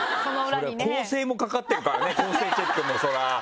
校正もかかってるからね校正チェックもそりゃ。